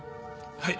はい。